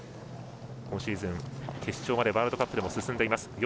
今シーズン決勝までワールドカップでも進んでいます。